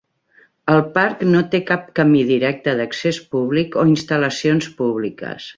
El parc no té cap camí directe d'accés públic o instal·lacions públiques.